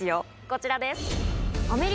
こちらです。